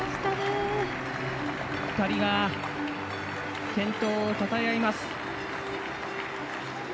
２人が健闘をたたえ合います。